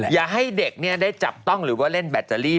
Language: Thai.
อย่าให้เด็กได้จับต้องหรือว่าเล่นแบตเตอรี่